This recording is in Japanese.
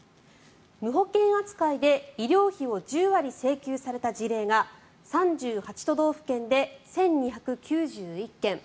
無保険扱いで医療費を１０割請求された事例が３８都道府県で１２９１件。